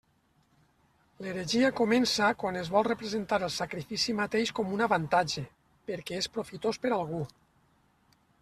L'heretgia comença quan es vol representar el sacrifici mateix com un avantatge, perquè és profitós per a algú.